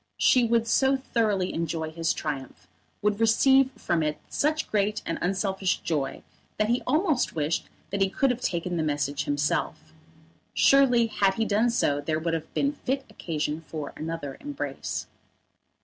She would so thoroughly enjoy his triumph, would receive from it such great and unselfish joy, that he almost wished that he could have taken the message himself. Surely had he done so there would have been fit occasion for another embrace.